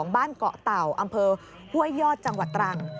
บ้านเกาะเต่าอำเภอห้วยยอดจังหวัดตรัง